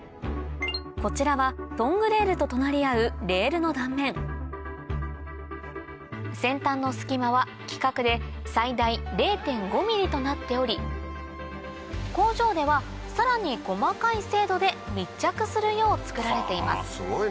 こちらはトングレールと隣り合うレールの断面先端の隙間は規格で最大０．５ｍｍとなっており工場ではさらに細かい精度で密着するようつくられています